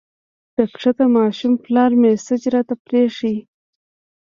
د ښکته ماشوم پلار مسېج راته پرېښی